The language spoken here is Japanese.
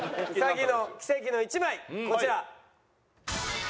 兎の奇跡の１枚こちら。